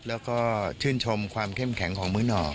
แล้วก็ชื่นชมความเข้มแข็งของมื้อหน่อ